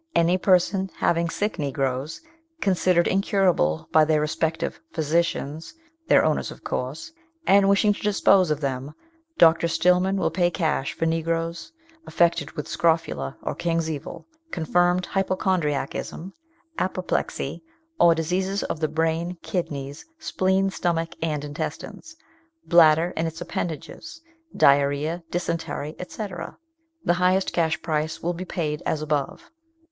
Any person having sick Negroes, considered incurable by their respective physicians, (their owners of course,) and wishing to dispose of them, Dr. Stillman will pay cash for Negroes affected with scrofula or king's evil, confirmed hypochondriacism, apoplexy, or diseases of the brain, kidneys, spleen, stomach and intestines, bladder and its appendages, diarrhoea, dysentery, &c. The highest cash price will be paid as above.'